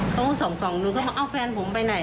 เขาก็ส่องดูเขามาเอ้าแฟนผมไปไหน